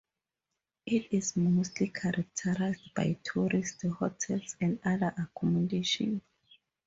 It is mostly characterised by tourist hotels and other accommodation.